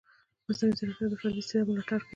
مصنوعي ځیرکتیا د فردي استعداد ملاتړ کوي.